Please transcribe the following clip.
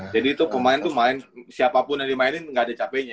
jadi itu pemain tuh siapapun yang dimainin gak ada capeknya